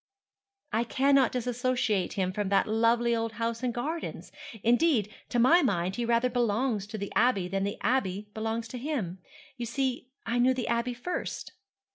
'I cannot dissociate him from that lovely old house and gardens. Indeed, to my mind he rather belongs to the Abbey than the Abbey belongs to him. You see I knew the Abbey first.'